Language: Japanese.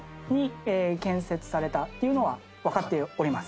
っていうのはわかっております。